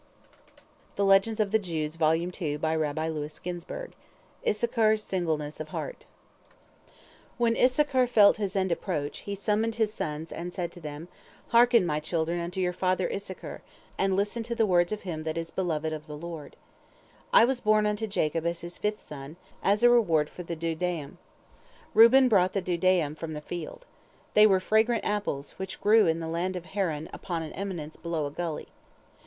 ISSACHAR'S SINGLENESS OF HEART When Issachar felt his end approach, he summoned his sons, and he said to them: "Hearken, my children, unto your father Issachar, and listen to the words of him that is beloved of the Lord. I was born unto Jacob as his fifth son, as a reward for the dudaim. Reuben brought the dudaim from the field. They were fragrant apples, which grew in the land of Haran upon an eminence below a gully.